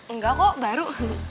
enggak kok baru